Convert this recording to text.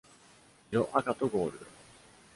色:赤とゴールド。